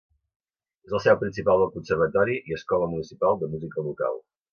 És la seu principal del Conservatori i Escola Municipal de Música local.